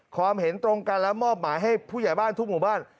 เห็นตรงกันและมอบหมายให้ผู้ใหญ่บ้านทุกหมู่บ้าน